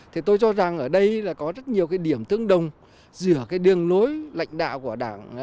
thì tôi cho rằng ở đây là có rất nhiều cái điểm tương đồng giữa cái đường lối lãnh đạo của đảng